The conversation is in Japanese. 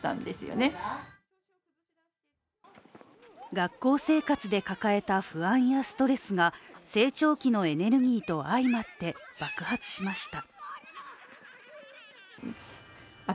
学校生活で抱えた不安やストレスが成長期のエネルギーと相まって、爆発しました。